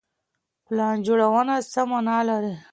پلان جوړونه څه معنا لري؟